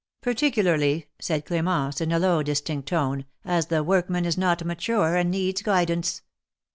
Particularly," said Cl^mence, in a low, distinct tone, " as the workman is not mature, and needs guidance."